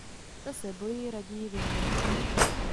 Ta se boji raději vyhnula.